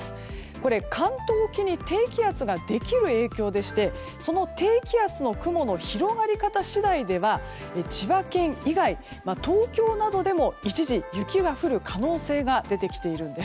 これは関東沖に低気圧ができる影響でしてその低気圧の雲の広がり方次第では千葉県以外、東京などでも一時雪が降る可能性が出てきているんです。